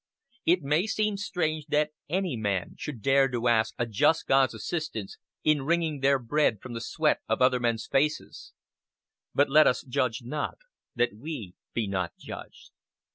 It may seem strange that any men should dare to ask a just God's assistance in wringing their bread from the sweat of other men's faces; but let us judge not, that we be not judged.